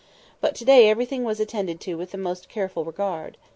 But to day everything was attended to with the most careful regard.